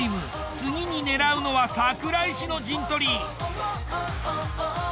次に狙うのは桜井市の陣取り。